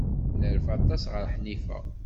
Nerfa aṭas ɣef Ḥnifa.